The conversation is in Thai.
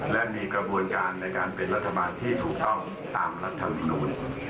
และมีกระบวนการในการเป็นรัฐบาลที่ถูกต้องตามรัฐธรรมนูล